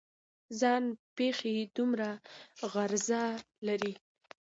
ځان پېښې دوه غرضه لري.